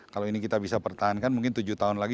kalau ini kita bisa pertahankan mungkin tujuh tahun lagi